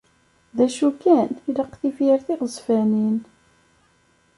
D acu kan, ilaq tifyar tiɣezfanin.